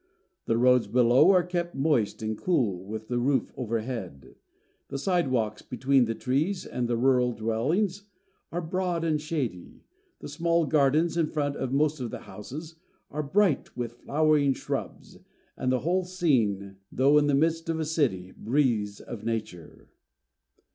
The roads below are kept moist and cool with the roof overhead; the side walks, between the trees and the rural dwellings, are broad and shady; the small gardens in front of most of the houses are bright with flowering shrubs; and the whole scene, though in the midst of a city, breathes of nature.